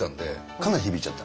かなり響いちゃった。